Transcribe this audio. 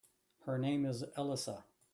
Her name is Elisa.